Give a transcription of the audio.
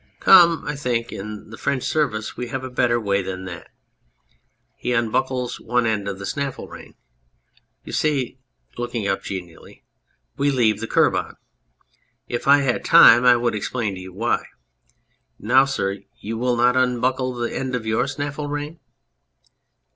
Come, I think in the French service we have a better way than that. (He unbuckles one end of the snaffle rein.} You see (look ing up genially}, we leave the curb on. If I had time I would explain to you why. ... Now, sir, will you not unbuckle the end of your snaffle rein ?